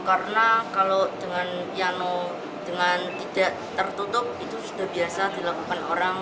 karena kalau dengan piano dengan tidak tertutup itu sudah biasa dilakukan orang